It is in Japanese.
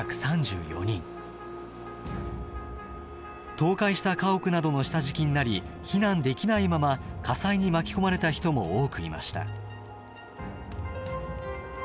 倒壊した家屋などの下敷きになり避難できないまま火災に巻き込まれた人も多くいました。